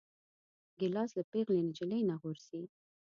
ګیلاس له پېغلې نجلۍ نه غورځي.